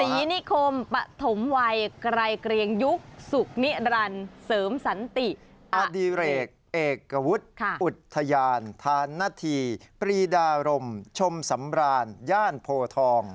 นิคมปฐมวัยไกรเกรียงยุคสุขนิรันดิ์เสริมสันติอดิเรกเอกวุฒิอุทยานธานธีปรีดารมชมสำราญย่านโพทอง